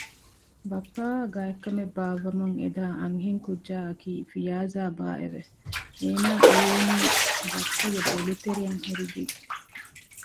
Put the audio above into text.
ބައްޕައާ ގާތްކަމެއް ބާއްވަމުން އެދާ އަންހެން ކުއްޖާއަކީ ފިޔާޒާބާއެވެ! އޭނާ އެ އުޅެނީ ބައްޕަގެ ބޮލުތެރެއަށް އެރިގެން